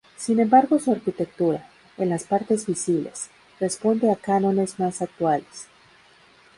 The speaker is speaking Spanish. Sin embargo su arquitectura, en las partes visibles, responde a cánones más actuales.